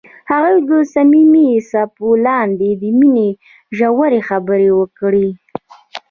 هغوی د صمیمي څپو لاندې د مینې ژورې خبرې وکړې.